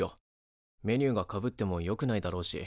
メニューがかぶってもよくないだろうし。